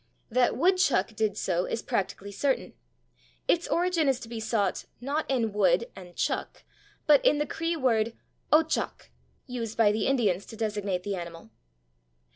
That /woodchuck/ did so is practically certain. Its origin is to be sought, not in /wood/ and /chuck/, but in the Cree word /otchock/, used by the Indians to designate the animal.